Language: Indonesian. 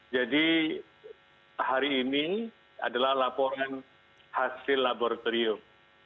jadi hari ini adalah laporan hasil laboratorium